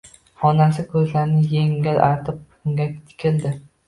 Onasi ko‘zlarini yengiga artib unga tikildi.